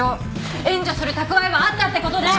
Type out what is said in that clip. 援助する蓄えはあったって事ですね！